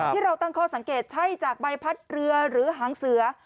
ที่เราตั้งข้อสังเกตใช่จากใบพัดเรือหรือหางเสือ